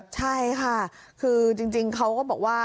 ใช่ค่ะคือจริงเขาก็บอกว่า